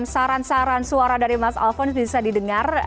saran saran suara dari mas alphon bisa didengar